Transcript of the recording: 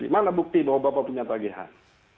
mana bukti bahwa bapak punya tagihan